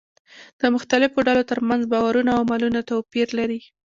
د مختلفو ډلو ترمنځ باورونه او عملونه توپير لري.